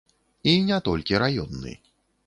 І не толькі раённы.